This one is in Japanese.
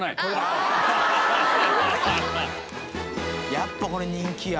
やっぱこれ人気や。